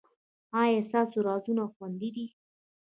ایا ستاسو رازونه خوندي دي؟